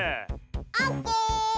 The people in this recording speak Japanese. オッケー！